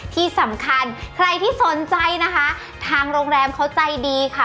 ที่สำคัญใครที่สนใจนะคะทางโรงแรมเขาใจดีค่ะ